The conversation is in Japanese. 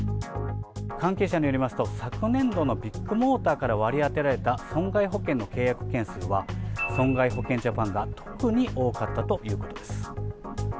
関係者によりますと、昨年度のビッグモーターから割り当てられた損害保険の契約件数は、損害保険ジャパンが特に多かったということです。